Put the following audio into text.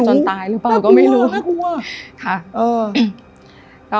รักกันไปจนตายหรือเปล่าก็ไม่รู้ไม่กลัวไม่กลัวค่ะเออ